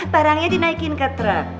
barangnya dinaikin ke truk